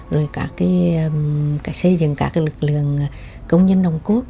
rồi các cái xây dựng các cái lực lượng công nhân đồng cốt